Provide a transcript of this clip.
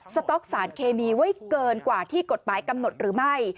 สต๊อกสารเคมีไว้เกินกว่าที่กฎหมายกำหนดหรือไม่